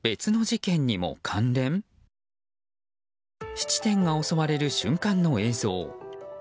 質店が襲われる瞬間の映像。